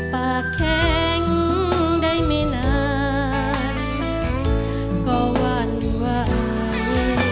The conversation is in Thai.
ปากแข็งได้ไม่นานก็หวั่นไหว